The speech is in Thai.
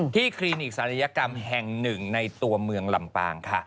คลินิกศัลยกรรมแห่งหนึ่งในตัวเมืองลำปางค่ะ